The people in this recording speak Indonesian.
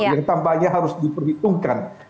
yang tampaknya harus diperhitungkan